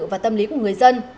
và tâm lý của người dân